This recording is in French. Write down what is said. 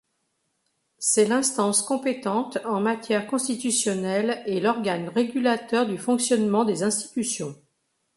C'est l'instance compétente en matière constitutionnelle et l'organe régulateur du fonctionnement des institutions.